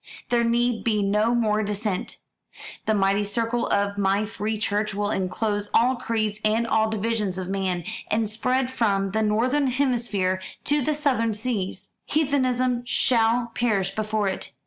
There need be no more dissent. The mighty circle of my free church will enclose all creeds and all divisions of man, and spread from the northern hemisphere to the southern seas. Heathenism shall perish before it.